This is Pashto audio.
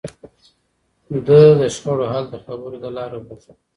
ده د شخړو حل د خبرو له لارې غوښت.